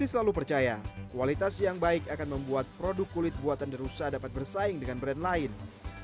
rusdi selalu percaya kualitas yang baik akan membuat produk kulit buatan the rusa dapat bersaing dengan kualitas produk lainnya